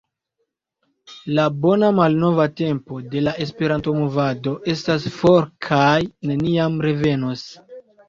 la “bona malnova tempo” de la Esperanto-movado estas for kaj neniam revenos.